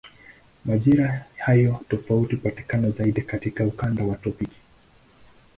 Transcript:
Majira hayo tofauti hupatikana zaidi katika ukanda wa tropiki.